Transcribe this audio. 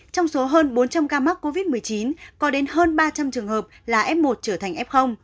trong số hơn bốn trăm linh ca mắc covid một mươi chín có đến hơn ba trăm linh trường hợp là f một trở thành f